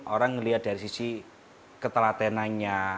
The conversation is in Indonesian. orang melihat dari sisi ketelatenannya